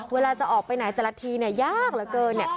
เวลาจะออกไปไหนแต่ละทียากเหลือเกิน